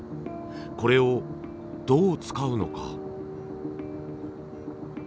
これをどう使うのか。